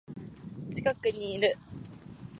近くにいる